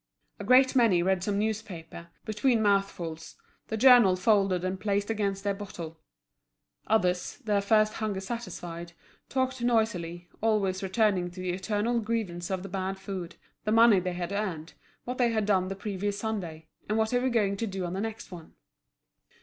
A great many read some newspaper, between mouthfuls, the journal folded and placed against their bottle. Others, their first hunger satisfied, talked noisily, always returning to the eternal grievance of the bad food, the money they had earned, what they had done the previous Sunday, and what they were going to do on the next one.